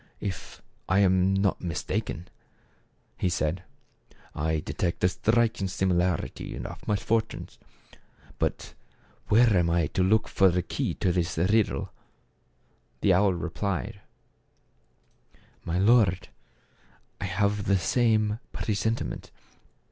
" If I am not mistaken," he said, " I detect a striking simi larity in our misfortunes ; but where am I to look for the key to this riddle ?" The owl replied, "My lord, I also have the same presentiment.